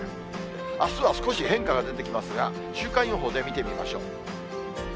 あすは少し変化が出てきますが、週間予報で見てみましょう。